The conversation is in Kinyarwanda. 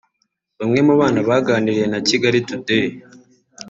Bamwe mu bana baganiriye na Kigali Today